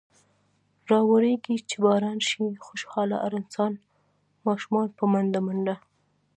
راورېږي چې باران۔ شي خوشحاله هر انسان ـ اشومان په منډه منډه ـ